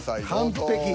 完璧。